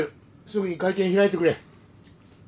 すぐに会見開いてくれ。